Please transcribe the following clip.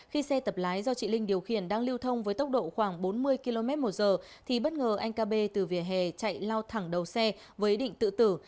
khi xe tập lái do chị linh điều khiển đang lưu thông với tốc độ khoảng bốn mươi km một giờ thì bất ngờ anh kb từ vỉa hè chạy lao thẳng đầu xe với ý định tự tử